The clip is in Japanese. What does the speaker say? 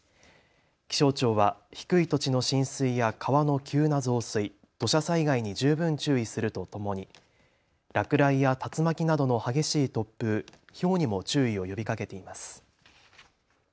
気象庁は低い土地の浸水や川の急な増水、土砂災害に十分注意するとともに落雷や竜巻などの激しい突風、ひょうにも注意を呼びかけています。